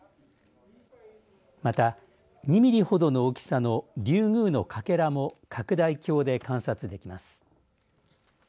また２ミリほどの大きさのリュウグウのかけらも拡大鏡で観察できます。